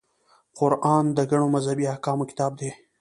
قران د ګڼو مذهبي احکامو کتاب دی.